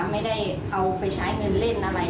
ไม่ได้เอาไปใช้เงินเล่นอะไร